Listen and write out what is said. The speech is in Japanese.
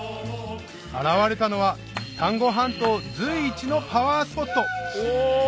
現れたのは丹後半島随一のパワースポットお！